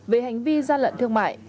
về hành vi gian lận thương mại